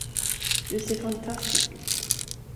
Du ser fantastisk ut.